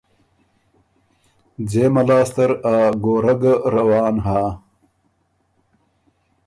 ځېمه لاسته ر ا ګورۀ ګه روان هۀ۔